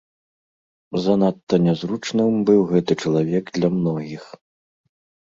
Занадта нязручным быў гэты чалавек для многіх.